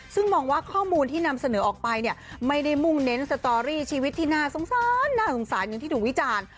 ซึ่งมองว่าข้อมูลที่นำเสนอออกไปเนี่ยไม่ได้มุ่งเน้นสตอรี่ชีวิตที่น่าสงสารน่าสงสารอย่างที่ถูกวิจารณ์